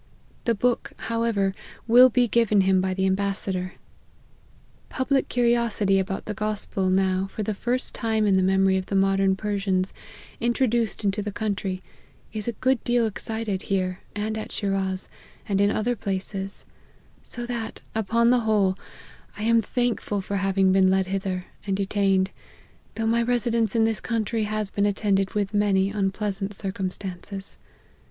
The book, however, will be given him by the ambassador. Public curiosity about the gospel, now, for the first time in the memory of the modern Persians, introduced into the country, is a good deal excited here and at Shiraz, and in other places ; so that, upon the whole, I am thank ful for having been led hither, and detained ; though my residence in this country has been attended with many unpleasant circumstances.